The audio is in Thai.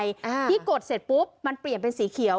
อ่าที่กดเสร็จปุ๊บมันเปลี่ยนเป็นสีเขียว